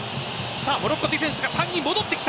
モロッコディフェンスが３人戻ってきた。